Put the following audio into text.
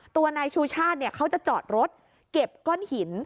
ตัวนายชูชาติเขาจะจอดรถเก็บก้อนหิน